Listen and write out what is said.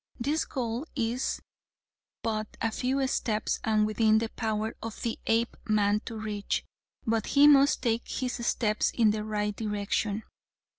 This goal is but a few steps and within the power of the Apeman to reach, but he must take his steps in the right direction.